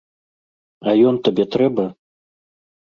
А ён табе трэба?